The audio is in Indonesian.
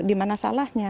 di mana salahnya